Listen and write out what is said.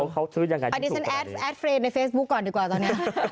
เขาซื้อยังไงที่ถูกกว่านี้